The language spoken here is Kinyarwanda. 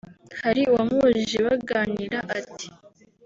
Hari uwamubajije baganira ati